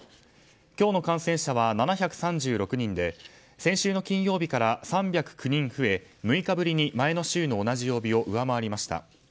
今日の感染者は７３６人で先週の金曜日から３０９人増え６日ぶりに前の週の同じ曜日を上回りました。